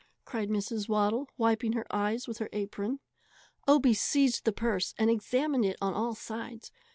cried Mrs. Waddle, wiping her eyes with her apron. Obie seized the purse and examined it on all sides.